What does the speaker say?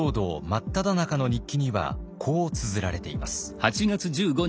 真っただ中の日記にはこうつづられています。